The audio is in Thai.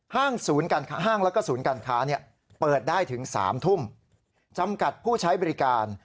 ห้างแล้วก็ศูนย์การค้าเปิดได้ถึง๓ทุ่มจำกัดผู้ใช้บริการ